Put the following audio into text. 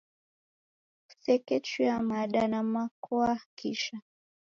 Kusekechuya mada na makoa kisha.